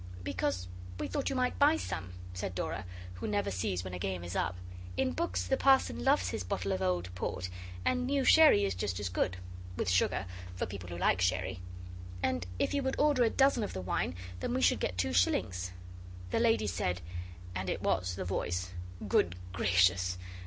'Because we thought you might buy some,' said Dora, who never sees when a game is up. 'In books the parson loves his bottle of old port; and new sherry is just as good with sugar for people who like sherry. And if you would order a dozen of the wine, then we should get two shillings.' The lady said (and it was the voice), 'Good gracious!